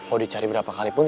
oh dicari berapa kalipun